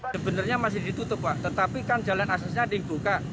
sebenarnya masih ditutup pak tetapi kan jalan aksesnya dibuka